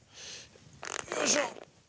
よいしょ！